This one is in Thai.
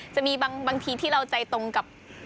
จะมีบางทีที่เราใจตรงกับ